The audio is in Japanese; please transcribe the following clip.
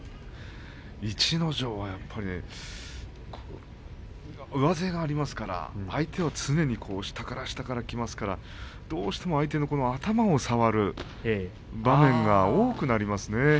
逸ノ城はやっぱり上背がありますから相手を常に下から下からきますからどうしても相手の頭を触る場面が多くなりますね。